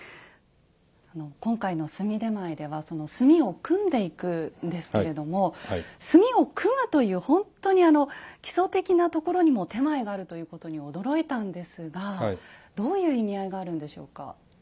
今回の炭点前では炭を組んでいくんですけれども炭を組むという本当に基礎的なところにも点前があるということに驚いたんですがどういう意味合いがあるんでしょうか？